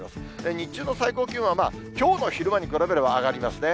日中の最高気温は、きょうの昼間に比べれば上がりますね。